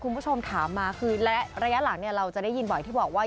คุณผู้ชมถามมาคือระยะหลังเนี่ยเราจะได้ยินบ่อยที่บอกว่า